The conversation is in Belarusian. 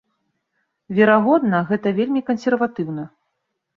Верагодна, гэта вельмі кансерватыўна.